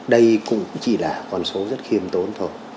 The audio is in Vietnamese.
đây cũng chỉ là con số rất khiêm tốn thôi